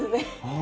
あ。